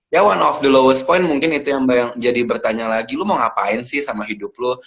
ya one of the lowest point mungkin itu yang jadi bertanya lagi lo mau ngapain sih sama hidup lo